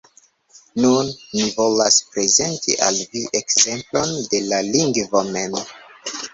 Nun mi volas prezenti al vi ekzemplon de la lingvo mem